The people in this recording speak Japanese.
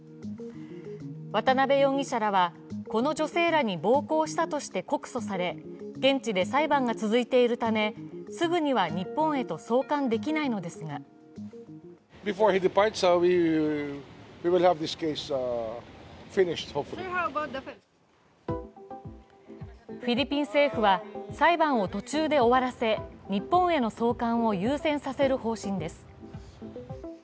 渡辺容疑者らは、この女性らに暴行したとして告訴され現地で裁判が続いているため、すぐには日本へと送還できないのですがフィリピン政府は裁判を途中で終わらせ、日本への送還を優先させる方針です。